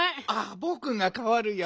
ぼくがかわるよ。